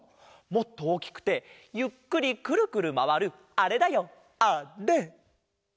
もっとおおきくてゆっくりクルクルまわるあれだよあれ！